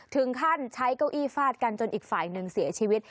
ถึงขั้นใช้เก้าอี้ฟาดกันจนอีกฝ่ายหนึ่งเสียชีวิต